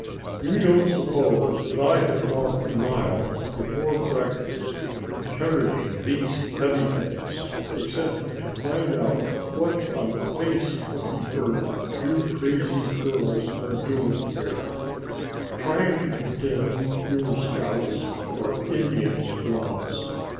"You don't suppose that I have walked a mile before breakfast and carried these heavy things except to find out what on the face of the earth you crazy girls are doing here, trying to pretend you are scouts or Indian squaws.